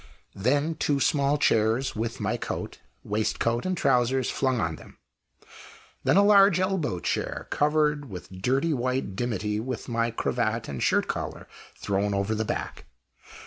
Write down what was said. Then two small chairs, with my coat, waistcoat, and trousers flung on them. Then a large elbow chair covered with dirty white dimity, with my cravat and shirt collar thrown over the back.